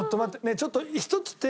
ちょっと１つ提案。